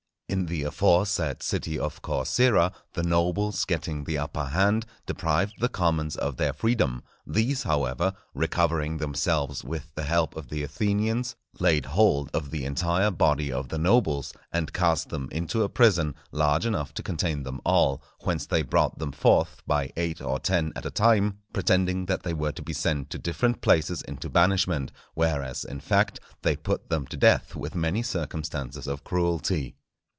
In the aforesaid city of Corcyra, the nobles getting the upper hand, deprived the commons of their freedom; these, however, recovering themselves with the help of the Athenians, laid hold of the entire body of the nobles, and cast them into a prison large enough to contain them all, whence they brought them forth by eight or ten at a time, pretending that they were to be sent to different places into banishment, whereas, in fact, they put them to death with many circumstances of cruelty.